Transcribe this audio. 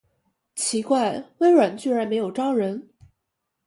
奇怪，微软居然没有招人